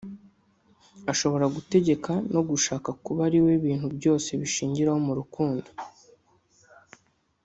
Ashobora gutegeka no gushaka kuba ari we ibintu byose bishingiraho mu rukundo